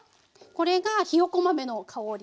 これがひよこ豆の代わり。